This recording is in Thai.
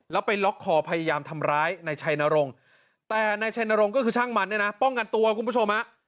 แล้วไปล็อกคอพยายามทำร้ายนายชัยนรงค์แต่นายชัยนรงค์ก็คือช่างมันเนี่ยนะป้องกันตัวคุณผู้ชมฮะ